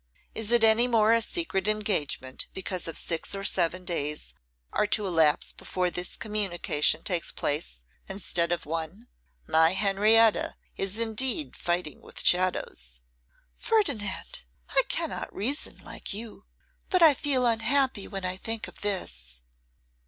Is it any more a secret engagement because six or seven days are to elapse before this communication takes place, instead of one? My Henrietta is indeed fighting with shadows!' 'Ferdinand, I cannot reason like you; but I feel unhappy when I think of this.